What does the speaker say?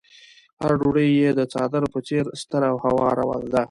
هره ډوډۍ يې د څادر په څېر ستره او هواره ده.